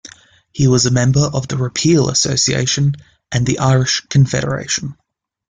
He was a member of the Repeal Association and the Irish Confederation.